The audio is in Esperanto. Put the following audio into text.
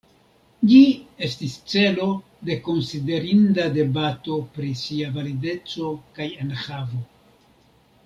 Ĝi estis celo de konsiderinda debato pri sia valideco kaj enhavo.